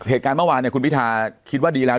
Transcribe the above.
เหตุการณ์เมื่อวานคุณพิธาคิดว่าดีแล้ว